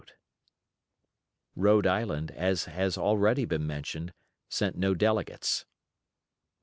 '" Rhode Island, as has already been mentioned, sent no delegates.